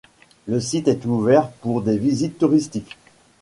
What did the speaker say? Le site est ouvert pour des visites touristiques.